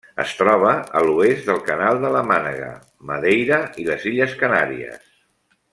Es troba a l'oest del Canal de la Mànega, Madeira i les Illes Canàries.